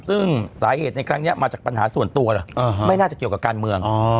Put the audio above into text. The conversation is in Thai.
ซึ่งสาเหตุในครั้งนี้มาจากปัญหาส่วนตัวเหรอไม่น่าจะเกี่ยวกับการเมือง